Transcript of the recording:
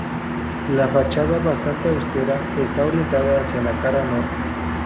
La fachada, bastante austera, está orientada hacia la cara norte.